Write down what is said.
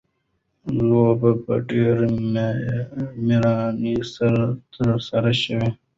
لوبه په ډېره مېړانه سره ترسره شوه.